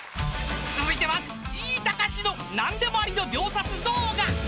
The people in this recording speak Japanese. ［続いてはＧたかしの何でもありの秒殺動画］